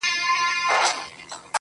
په خوښۍ کي به مي ستا د ياد ډېوه وي.